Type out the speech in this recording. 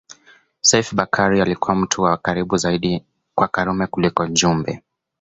Seif Bakari alikuwa mtu wa karibu zaidi kwa Karume kuliko Jumbe